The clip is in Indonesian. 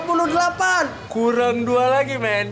bukan berang dua lagi men